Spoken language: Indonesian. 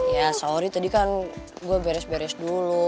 ya sorry tadi kan gue beres beres dulu